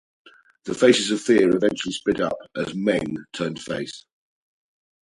The Faces of Fear eventually split up, as Meng turned face.